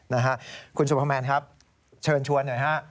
นะฮะคุณสุภาแมนครับเชิญชวนหน่อยฮะ